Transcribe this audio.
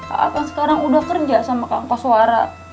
aakan sekarang udah kerja sama kang koswara